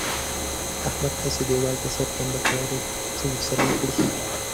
احمد هسې دېوال ته سر ټنبه کړی دی؛ څه ور سره وکړو؟!